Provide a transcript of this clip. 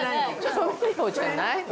調味料じゃないよ